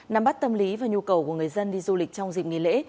nắm bắt tâm lý và nhu cầu của người dân đi du lịch trong dịp nghỉ lễ